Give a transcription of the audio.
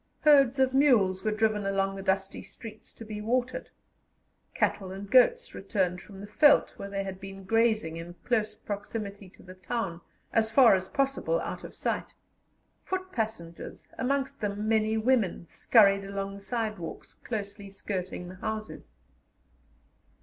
Herds of mules were driven along the dusty streets to be watered; cattle and goats returned from the veldt, where they had been grazing in close proximity to the town, as far as possible out of sight; foot passengers, amongst them many women, scurried along the side walks closely skirting the houses.